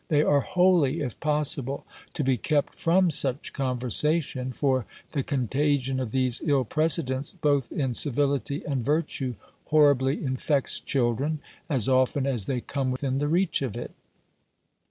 They are wholly, if possible, to be kept from such conversation: for the contagion of these ill precedents, both in civility and virtue, horribly infects children, as often as they come within the reach of it.